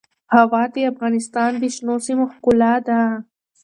هوا د افغانستان د شنو سیمو ښکلا ده.